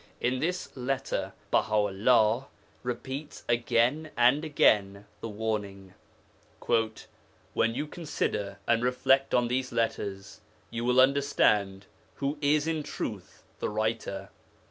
In this letter Baha 'ullah repeats again and again the warning: 'When you consider and reflect on these letters, you will understand who is in truth the writer.'